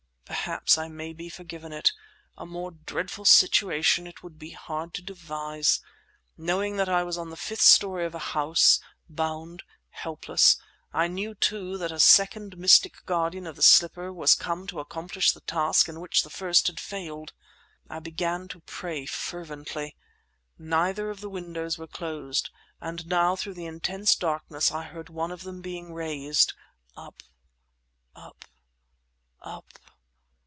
Perhaps I may be forgiven it. A more dreadful situation it would be hard to devise. Knowing that I was on the fifth story of a house, bound, helpless, I knew, too, that a second mystic guardian of the slipper was come to accomplish the task in which the first had failed! I began to pray fervently. Neither of the windows were closed; and now through the intense darkness I heard one of them being raised up—up—up...